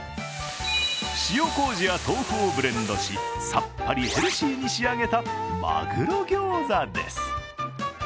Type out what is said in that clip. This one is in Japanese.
塩こうじや豆腐をブレンドし、さっぱりヘルシーに仕上げたまぐろギョーザです。